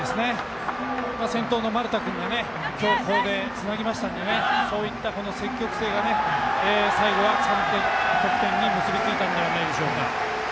先頭の丸田君が強攻でつなぎましたのでそういった積極性が最後は得点に結び付いたんじゃないでしょうか。